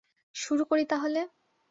শুরু করি তাহলে।